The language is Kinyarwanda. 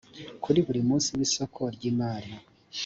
kuri buri munsi w isoko ry’imari